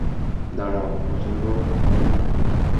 দাঁড়াও, পছন্দ করে না?